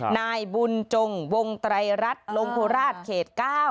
นายบุญจงวงไตรรัฐลงโคราชเขต๙